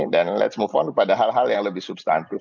dan let s move on pada hal hal yang lebih substantif